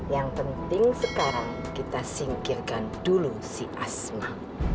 yang penting sekarang kita singkirkan dulu si asma